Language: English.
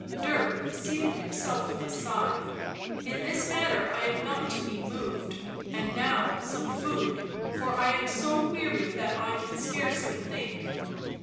Dirk seated himself with a sigh. " In this matter I am not to be moved, and now some food, for I am so weary that I can scarcely think.